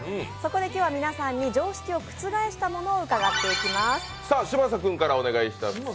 今日は皆さんに常識を覆したものを伺っていきます。